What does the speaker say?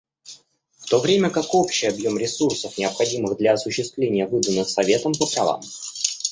В то время как общий объем ресурсов, необходимых для осуществления выданных Советом по правам.